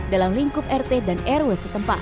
dalam lingkup rt dan rw setempat